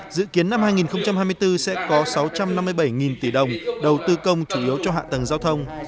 dự kiến năm hai nghìn hai mươi bốn sẽ có sáu trăm năm mươi bảy tỷ đồng đầu tư công chủ yếu cho hạ tầng giao thông